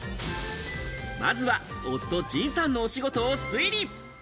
まずは夫・仁さんのお仕事を推理。